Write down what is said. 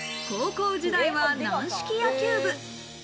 高校時代は軟式野球部。